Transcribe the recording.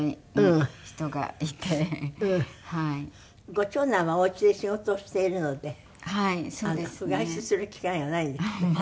ご長男はお家で仕事をしているので外出する機会がないんですって？